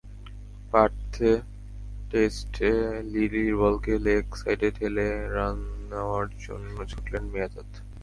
পার্থ টেস্টে লিলির বলকে লেগ সাইডে ঠেলে রান নেওয়ার জন্য ছুটলেন মিয়াঁদাদ।